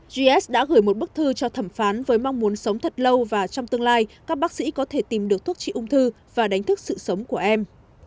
gis đã gửi một bức thư cho thẩm phán với mong muốn sống thật lâu và trong tương lai các bác sĩ có thể tìm được thuốc trị ung thư và đánh thức sự sống của em